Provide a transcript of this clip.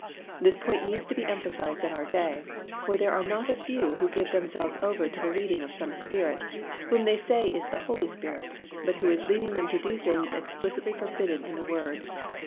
This point needs to be emphasized in our day, for there are not a few who give themselves over to the leading of some spirit, whom they say is the Holy Spirit, but who is leading them to do things explicitly forbidden in the Word.